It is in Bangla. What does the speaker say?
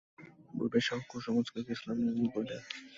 পূর্বের সব কুসংস্কারকে ইসলাম নির্মূল করে দেয়।